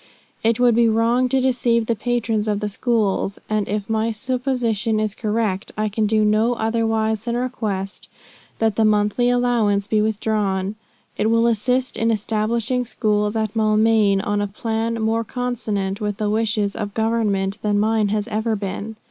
It would be wrong to deceive the patrons of the schools and if my supposition is correct, I can do no otherwise than request, that the monthly allowance be withdrawn. It will assist in establishing schools at Maulmain on a plan more consonant with the wishes of Government than mine has ever been.